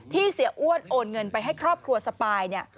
เสียอ้วนโอนเงินไปให้ครอบครัวสปาย